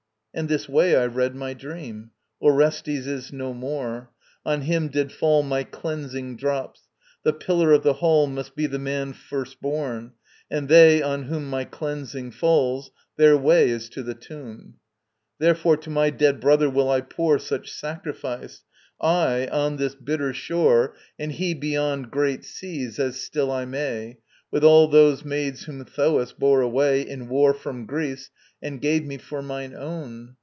And this way I read my dream. Orestes is no more: on him did fall My cleansing drops. The pillar of the hall Must be the man first born; and they, on whom My cleansing falls, their way is to the tomb. Therefore to my dead brother will I pour Such sacrifice, I on this bitter shore And he beyond great seas, as still I may, With all those maids whom Thoas bore away In war from Greece and gave me for mine own.